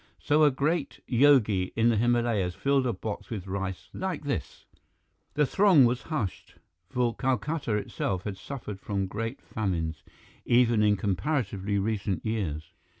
So a great yogi in the Himalayas fill a box with rice like this " The throng was hushed, for Calcutta itself had suffered from great famines, even in comparatively recent years.